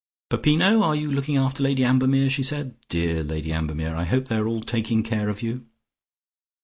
"Peppino, are you looking after Lady Ambermere?" she said. "Dear Lady Ambermere, I hope they are all taking care of you."